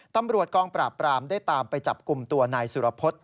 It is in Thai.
ตำรวจกองปราบปรามได้ตามไปจับกลุ่มตัวนายสุรพฤษ